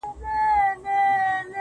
د غرمو گرم اورښته قدم اخله,